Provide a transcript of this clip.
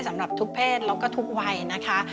สำหรับทุกเพศแล้วก็ทุกวัยนะคะ